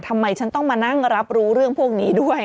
ทำไมฉันต้องมานั่งรับรู้เรื่องพวกนี้ด้วย